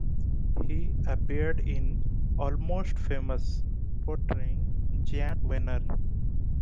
He appeared in "Almost Famous", portraying Jann Wenner.